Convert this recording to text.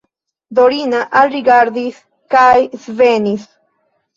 Dorina alrigardis kaj svenis.